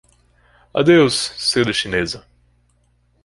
Adeus seda chinesa!